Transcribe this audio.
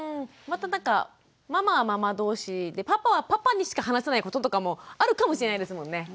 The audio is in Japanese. またなんかママはママ同士でパパはパパにしか話せないこととかもあるかもしれないですもんね。